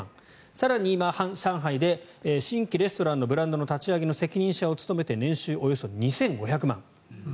更に今、上海で新規レストランのブランドの立ち上げの責任者を務めて年収およそ２５００万。